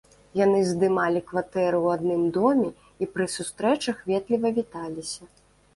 Яны здымалі кватэры ў адным доме і пры сустрэчах ветліва віталіся.